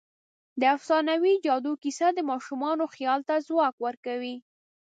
د افسانوي جادو کیسه د ماشومانو خیال ته ځواک ورکوي.